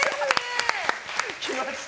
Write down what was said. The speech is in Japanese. きました！